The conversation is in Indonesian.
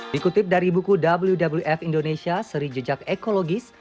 dikutip dari buku wwwf indonesia seri jejak ekologis